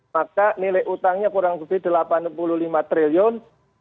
maka nilai hutangnya kurang lebih delapan puluh lima triliun